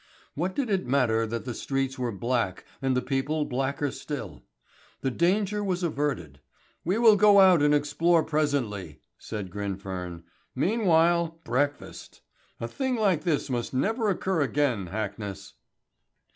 What did it matter that the streets were black and the people blacker still? The danger was averted. "We will go out and explore presently," said Grimfern. "Meanwhile, breakfast. A thing like this must never occur again, Hackness."